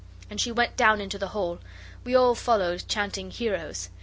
And she went down into the hall. We all followed chanting 'Heroes.